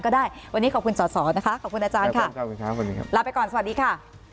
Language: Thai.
ก็ได้วันนี้ขอบคุณจอดสอนนะคะขอบคุณอาจารย์ค่ะแล้วไปก่อนสวัสดีค่ะ